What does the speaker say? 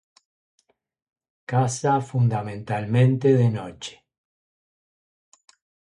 Caza fundamentalmente de noche.